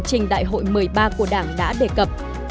trình đại hội một mươi ba của đảng đã đề cập